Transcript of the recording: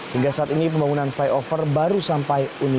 hingga saat ini pembangunan flyover balik